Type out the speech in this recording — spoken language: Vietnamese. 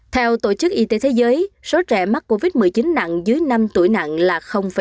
theo tổ chức y tế thế giới số trẻ mắc covid một mươi chín nặng dưới năm tuổi nặng là